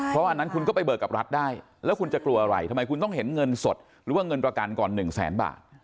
เพราะอันนั้นคุณก็ไปเบิกกับรัฐได้แล้วคุณจะกลัวอะไรทำไมคุณต้องเห็นเงินสดหรือว่าเงินประกันก่อน๑แสนบาท